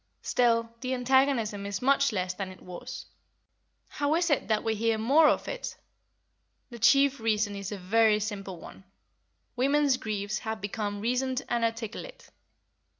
Still, the antagonism is much less than it was. How is it that we hear more of it? The chief reason is a very simple one: women's griefs have become reasoned and articulate.